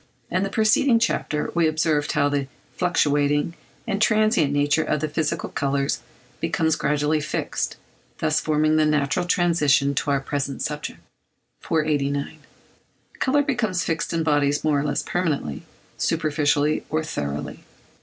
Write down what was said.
In the preceding chapter we observed how the fluctuating and transient nature of the physical colours becomes gradually fixed, thus forming the natural transition to our present subject. 489. Colour becomes fixed in bodies more or less permanently; superficially, or thoroughly.